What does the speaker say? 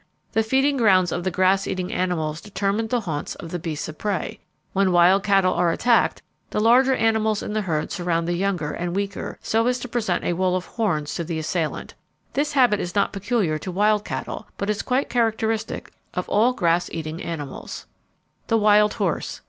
The feeding grounds of the grass eating animals determined the haunts of the beasts of prey. When wild cattle are attacked, the larger animals in the herd surround the younger and weaker so as to present a wall of horns to the assailant. This habit is not peculiar to wild cattle, but is quite characteristic of all grass eating animals. _The Wild Horse.